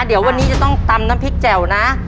เดี๋ยววันนี้จะต้องตำน้ำพริกแจ่วนะ